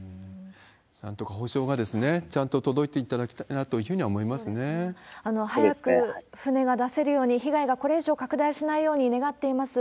なんとか補償がちゃんと届いていただきたいなというふうに思早く船が出せるように、被害がこれ以上拡大しないように願っています。